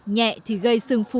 nhẹ thì gây sương phù